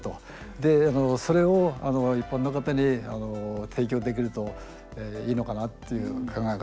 でそれを一般の方に提供できるといいのかなっていう考え方があって。